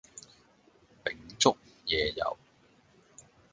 秉燭夜遊